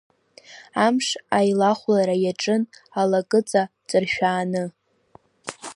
Амш аилахәлара иаҿын алакыҵа ҵыршәааны…